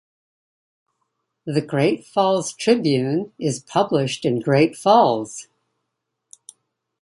The "Great Falls Tribune" is published in Great Falls.